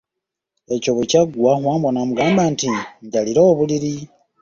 Ekyo bwe kyaggwa, Wambwa n'amugamba nti, njalira obuliri.